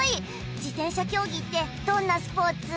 自転車競技ってどんなスポーツ？